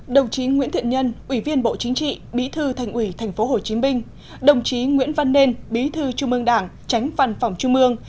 đồng chí nguyễn thiện nhân ủy viên bộ chính trị bí thư thành ủy tp hcm đồng chí nguyễn văn nên bí thư trung ương đảng tránh văn phòng trung ương